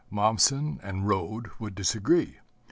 Mommsen and Rhode would disagree.